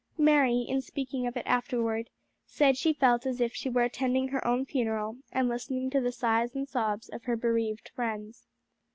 Mary, in speaking of it afterward, said she felt as if she were attending her own funeral and listening to the sighs and sobs of her bereaved friends.